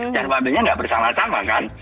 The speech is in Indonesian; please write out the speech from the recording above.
dan uamil nya nggak bersama sama kan